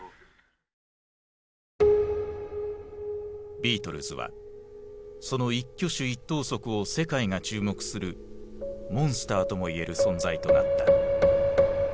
ビートルズはその一挙手一投足を世界が注目するモンスターともいえる存在となった。